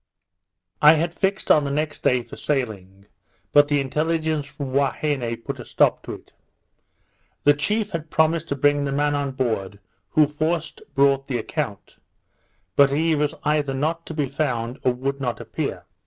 I had fixed on the next day for sailing, but the intelligence from Huaheine put a stop to it. The chief had promised to bring the man on board who first brought the account; but he was either not to be found, or would not appear.